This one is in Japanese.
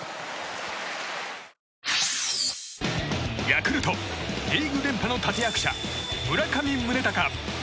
ヤクルト、リーグ連覇の立役者村上宗隆。